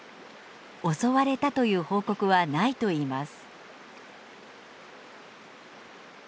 襲われたという報告はないといいます。